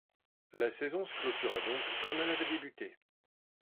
La saison se clôtura donc comme elle avait débuté.